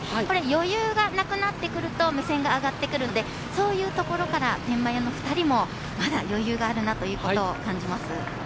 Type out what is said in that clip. これ、余裕がなくなってくると目線が上がってくるのでそういうところから天満屋の２人もまだ余裕があるなということを感じます。